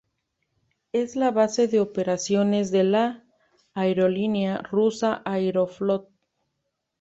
Es la base de operaciones de la aerolínea rusa Aeroflot.